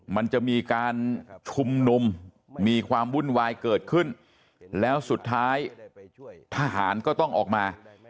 มันจะมีการชุมนุมมีความวุ่นวายเกิดขึ้นแล้วสุดท้ายทหารก็ต้องออกมา